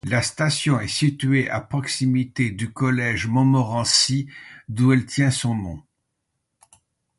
La station est située à proximité du Collège Montmorency d'où elle tient son nom.